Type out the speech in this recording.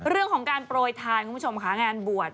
เรื่องของการโปรยทานคุณผู้ชมค่ะงานบวช